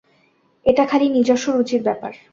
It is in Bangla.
এটা খালি নিজস্ব রুচির ব্যাপার।